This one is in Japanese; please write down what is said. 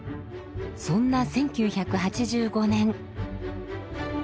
そんな１９８５年。